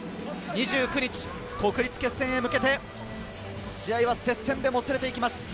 ２９日の国立決戦へ向けて、試合は接戦でもつれていきます。